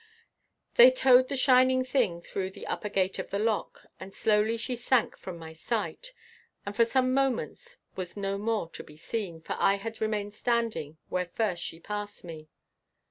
They towed the shining thing through the upper gate of the lock, and slowly she sank from my sight, and for some moments was no more to be seen, for I had remained standing where first she passed me.